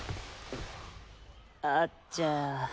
あっちゃ。